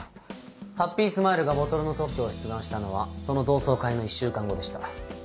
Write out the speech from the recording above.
ハッピースマイルがボトルの特許を出願したのはその同窓会の１週間後でした。